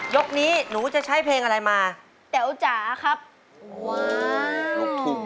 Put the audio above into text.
ยกนี้หนูจะใช้เพลงอะไรมาแต๋วจ๋าครับว้าว